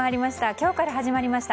今日から始まりました